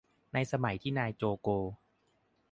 ในสมัยที่นายโจโก